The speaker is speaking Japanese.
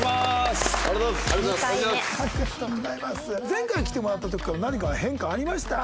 前回来てもらった時から何か変化ありました？